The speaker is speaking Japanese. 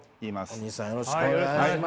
大西さんよろしくお願いします。